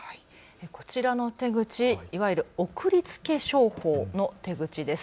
こちらの手口、いわゆる送りつけ商法の手口です。